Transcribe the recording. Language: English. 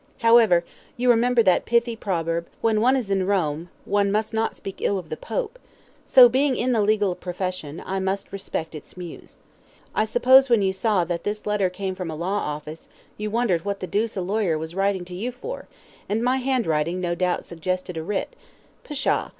However, you remember that pithy proverb, 'When one is in Rome, one must not speak ill of the Pope,' so being in the legal profession, I must respect its muse. I suppose when you saw that this letter came from a law office, you wondered what the deuce a lawyer was writing to you for, and my handwriting, no doubt suggested a writ pshaw!